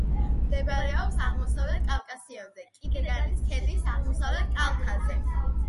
მდებარეობს აღმოსავლეთ კავკასიონზე, კიდეგანის ქედის აღმოსავლეთ კალთაზე.